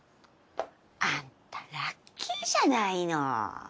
アンタラッキーじゃないの。